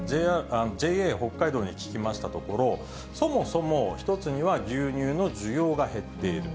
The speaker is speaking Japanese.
ＪＡ北海道に聞きましたところ、そもそも一つには牛乳の需要が減っている。